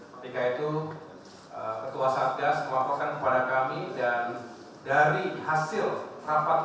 ketika itu ketua satgas melaporkan kepada kami dan dari hasil rapat